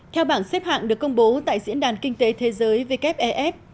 theo bảng xếp hạng được công bố tại diễn đàn kinh tế thế giới wef